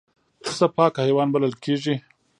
پسه پاک حیوان بلل کېږي.